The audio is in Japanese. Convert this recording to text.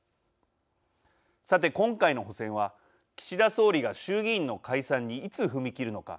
さて、今回の補選は岸田総理が衆議院の解散にいつ踏み切るのか。